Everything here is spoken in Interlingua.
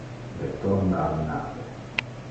Retorna al nave.